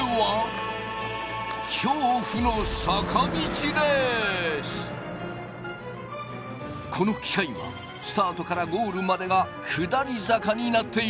いよいよこの機械はスタートからゴールまでが下り坂になっている。